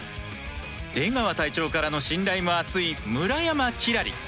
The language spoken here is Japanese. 出川隊長からの信頼も厚い村山輝星。